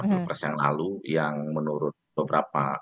pilpres yang lalu yang menurut beberapa